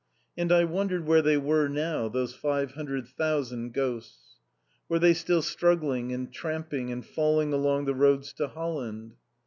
And I wondered where they were now, those five hundred thousand ghosts. Were they still struggling and tramping and falling along the roads to Holland?